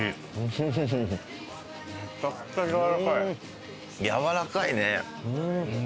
めちゃくちゃやわらかい。